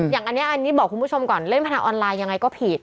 อย่างอันนี้บอกคุณผู้ชมก่อนเล่นพนันออนไลน์ยังไงก็ผิด